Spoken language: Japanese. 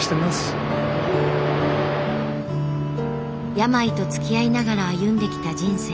病とつきあいながら歩んできた人生。